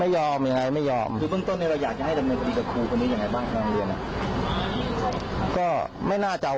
คือเบื้องต้นนี้เราอยากจะให้ดำเนินสดีแต่ครูคนนี้อย่างไรบ้างในโรงเรียน